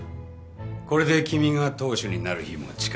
これで君が当主になる日も近い。